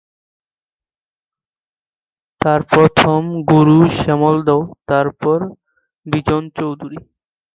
তার প্রথম গুরু শ্যামল দত্ত, তারপর বিজন চৌধুরী।